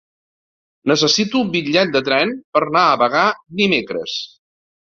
Necessito un bitllet de tren per anar a Bagà dimecres.